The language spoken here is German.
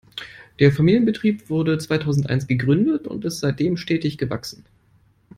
Der Familienbetrieb wurde zweitausendeins gegründet und ist seitdem stetig gewachsen.